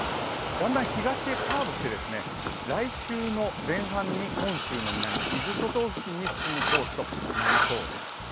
だんだん東へカーブして、来週の前半に本州の南、伊豆諸島付近に進むコースになりそうです。